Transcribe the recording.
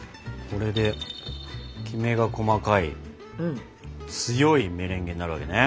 これでキメが細かい強いメレンゲになるわけね。